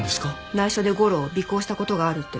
内緒で吾良を尾行した事があるって。